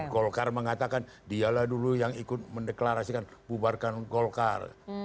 golkar mengatakan dialah dulu yang ikut mendeklarasikan bubarkan golkar